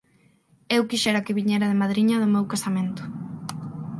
Eu quixera que viñera de madriña do meu casamento.